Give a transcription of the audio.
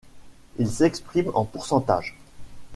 Il s'exprime en pourcentage.